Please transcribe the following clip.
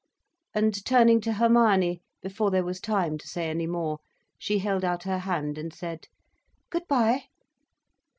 And turning to Hermione, before there was time to say any more, she held out her hand and said "Good bye."